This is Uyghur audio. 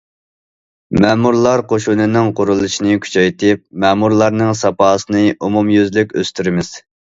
مەمۇرلار قوشۇنىنىڭ قۇرۇلۇشىنى كۈچەيتىپ، مەمۇرلارنىڭ ساپاسىنى ئومۇميۈزلۈك ئۆستۈرىمىز.